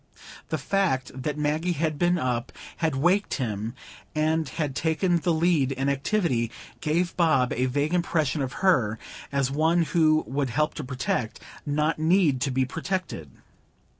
The fact that Maggie had been up, had waked him, and had taken the lead in activity, gave Bob a vague impression of her as one who would help to protect, not need to be protected.